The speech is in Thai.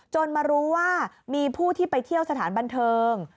มารู้ว่ามีผู้ที่ไปเที่ยวสถานบันเทิง